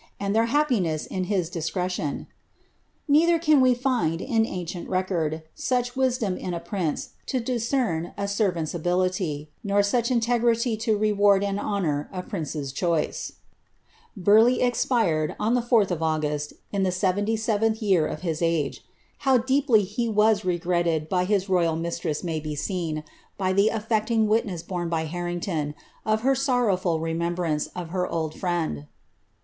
aaJ their happiness in his discretion,' neither can we find, in ancient recorJ. such wisdom in a prince to discern a servant's ability, nor such integriiT to reward and honour a prince's choice."' Burleigh expired, on the Jih of August, in the T7th year of hi; i£e. How deeply he was regretted by his royal mistress may be seen, by the aSccting witness borne by Harrington, of ber sorrowful remetubiaoce of her old friend.